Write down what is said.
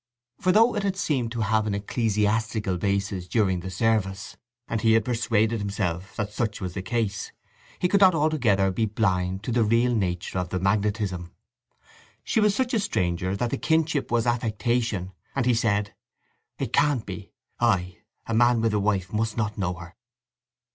For though it had seemed to have an ecclesiastical basis during the service, and he had persuaded himself that such was the case, he could not altogether be blind to the real nature of the magnetism. She was such a stranger that the kinship was affectation, and he said, "It can't be! I, a man with a wife, must not know her!"